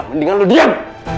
mendingan lo diam